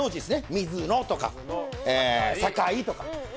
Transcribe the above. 水野とか「酒井」とか。